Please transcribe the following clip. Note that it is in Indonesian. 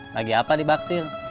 lagi apa di baksil